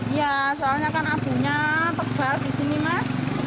iya soalnya kan abunya tebal di sini mas